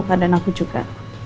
keadaan aku juga